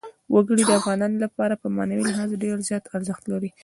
وګړي د افغانانو لپاره په معنوي لحاظ ډېر زیات ارزښت لري.